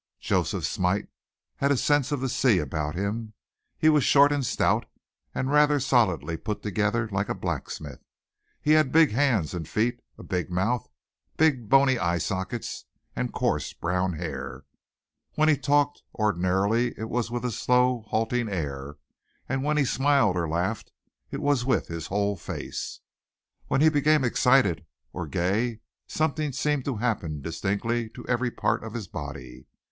Joseph Smite had a sense of the sea about him. He was short and stout, and rather solidly put together, like a blacksmith. He had big hands and feet, a big mouth, big, bony eye sockets and coarse brown hair. When he talked, ordinarily, it was with a slow, halting air and when he smiled or laughed it was with his whole face. When he became excited or gay something seemed to happen distinctly to every part of his body.